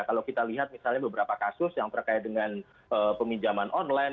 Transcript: kalau kita lihat misalnya beberapa kasus yang terkait dengan peminjaman online